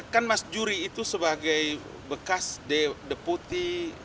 kan mas juri itu sebagai bekas deputi